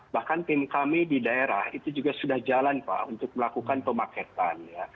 bahkan tim kami di daerah itu juga sudah jalan pak untuk melakukan pemaketan